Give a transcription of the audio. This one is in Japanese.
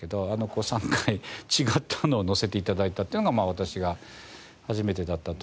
こう３回違ったのを乗せて頂いたっていうのが私が初めてだったという事で。